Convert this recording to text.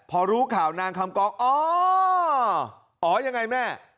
พอรู้ข่าวนางคำกองอ๋ออ๋อยังไงแม่